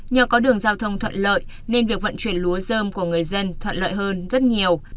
nhờ có đường giao thông thuận lợi nên việc vận chuyển lúa dơm của người dân thuận lợi hơn rất nhiều